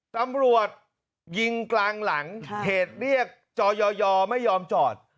ตำรวจยิงกลางหลังเหตุเรียกจอยไม่ยอมจอด